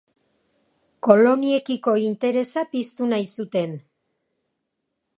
Koloniekiko interesa piztu nahi zuten.